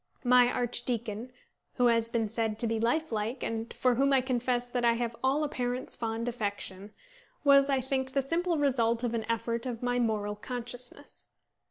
My archdeacon, who has been said to be life like, and for whom I confess that I have all a parent's fond affection, was, I think, the simple result of an effort of my moral consciousness.